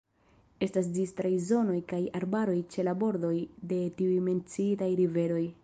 Estas distraj zonoj kaj arbaroj ĉe la bordoj de tiuj menciitaj riveroj.